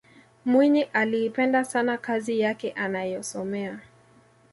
mwinyi aliipenda sana kazi yake anayosomea